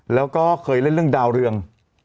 แล้วก็เคยเล่นเรื่องดาวเรือง